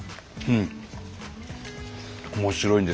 うん。